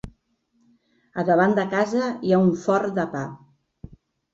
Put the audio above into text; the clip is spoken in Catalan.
A davant de casa hi ha un forn de pa.